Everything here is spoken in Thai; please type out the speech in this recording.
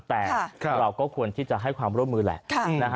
แต่เราก็ควรที่จะให้ความร่วมมือแหละ